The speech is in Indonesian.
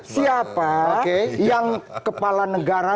siapa yang kepala negara